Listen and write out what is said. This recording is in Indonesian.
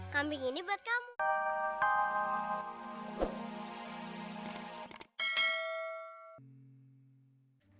kambing ini buat kamu